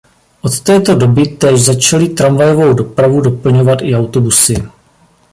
Od této doby též začaly tramvajovou dopravu doplňovat i autobusy.